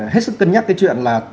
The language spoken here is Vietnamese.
hết sức cân nhắc cái chuyện là